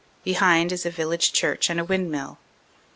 Behind is a village church and a windmill.